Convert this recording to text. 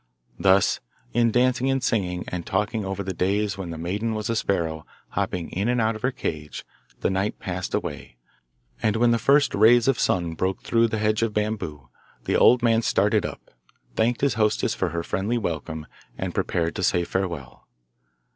Thus, in dancing and singing, and talking over the days when the maiden was a sparrow hopping in and out of her cage, the night passed away, and when the first rays of sun broke through the hedge of bamboo, the old man started up, thanked his hostess for her friendly welcome, and prepared to say farewell.